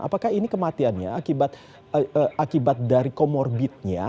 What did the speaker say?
apakah ini kematiannya akibat dari comorbidnya